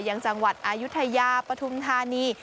ยังจังหวัดอายุทยาปฐุมธานี